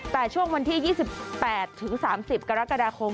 แต่ช่วงวันที่๒๘ถึง๓๐กรกฎาคม